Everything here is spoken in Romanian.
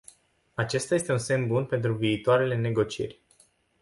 Acesta este un semn bun pentru viitoarele negocieri.